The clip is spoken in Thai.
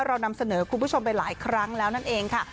เรานำเสนอคุณผู้ชมไปหลายครั้งแล้วนั่นเองค่ะ